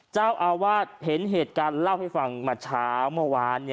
เจ้าอาวาสเห็นเหตุการณ์เล่าให้ฟังมาเช้าเมื่อวาน